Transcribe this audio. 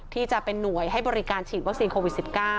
ที่จะเป็นหน่วยให้บริการฉีดวัคซีนโควิด๑๙